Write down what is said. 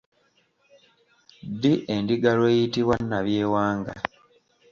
Ddi endiga lw’eyitibwa Nnabyewanga?